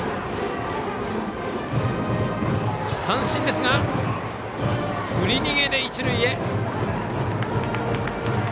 振り逃げで一塁へ。